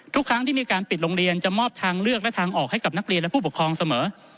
ทุกครั้งที่มีการปิดโรงเรียนจะมอบทางเลือกและทางออกให้กับนักเรียนและผู้ปกครองเสมอ